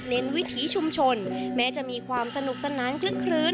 เน้นวิถีชุมชนแม้จะมีความสนุกสนานคลุก